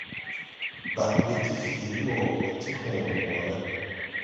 Bag we ti fiiri wo ti hõõ de woore.